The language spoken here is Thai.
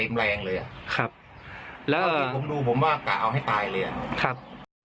เต็มแรงเลยครับแล้วผมดูผมว่ากะเอาให้ตายเลยครับ